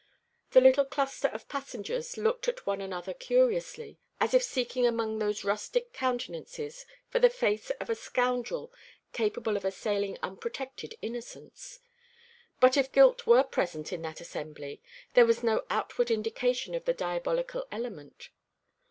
The little cluster of passengers looked at one another curiously, as if seeking among those rustic countenances for the face of a scoundrel capable of assailing unprotected innocence. But if guilt were present in that assembly, there was no outward indication of the diabolical element.